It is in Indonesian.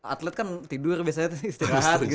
atlet kan tidur biasanya istirahat gitu